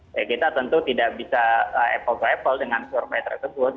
ya kita tentu tidak bisa apple to apple dengan survei tersebut